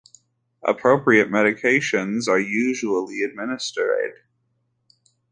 Appropriate medications are usually administered.